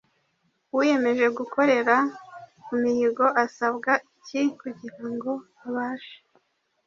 Uwiyemeje gukorera ku mihigo asabwa iki kugira ngo abashe